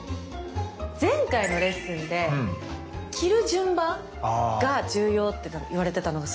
前回のレッスンで切る順番が重要って言われてたのがすごい気になってて。